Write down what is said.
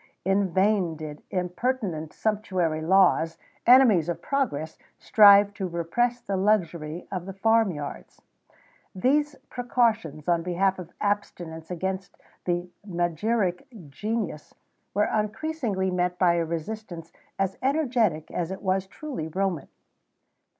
In vain did impertinent sumptuary laws, enemies of progress, strive to repress the luxury of the farm yards. These precautions on behalf of abstinence against the magiric genius were unceasingly met by a resistance, as energetic as it was truly Roman.